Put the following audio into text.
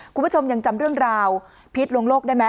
คุณผู้ชมยังจำเรื่องราวพิษลวงโลกได้ไหม